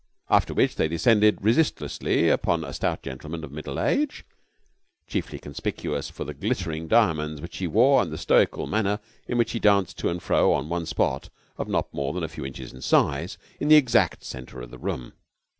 After which they descended resistlessly upon a stout gentleman of middle age, chiefly conspicuous for the glittering diamonds which he wore and the stoical manner in which he danced to and fro on one spot of not more than a few inches in size in the exact centre of the room.